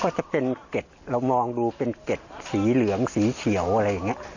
ก็จะเป็นเก็ดเรามองดูเป็นเก็ดสีเหลืองสีเขียวอะไรอย่างนี้